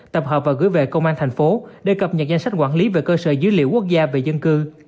tập hợp và gửi về công an thành phố để cập nhật danh sách quản lý về cơ sở dữ liệu quốc gia về dân cư